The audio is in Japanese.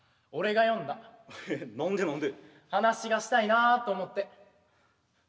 話がしたいなと思って。